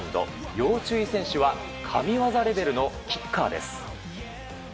要注意選手は神業レベルのキッカーです。